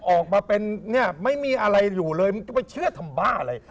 ออกมาเป็นไม่มีอะไรอยู่เลยก็ไปเชื่อทำบ้าอะไร